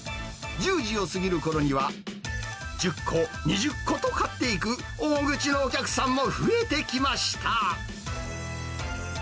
１０時を過ぎるころには、１０個、２０個と買っていく大口のお客さんも増えてきました。